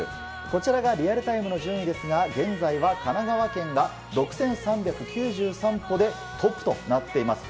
こちらがリアルタイムの順位ですが現在は神奈川県が６３９３歩でトップとなっています。